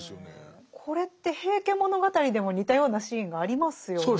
これって「平家物語」でも似たようなシーンがありますよね。